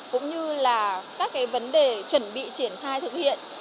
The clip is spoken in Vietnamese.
cũng như là các cái vấn đề chuẩn bị triển khai thực hiện